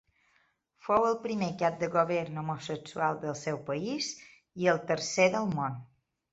Fou el primer cap de govern homosexual del seu país, i el tercer del món.